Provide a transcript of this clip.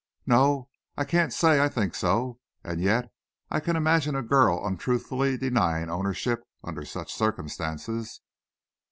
"No; I can't say I think so. And yet I can imagine a girl untruthfully denying ownership under such circumstances."